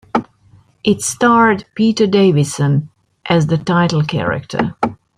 It starred Peter Davison as the title character.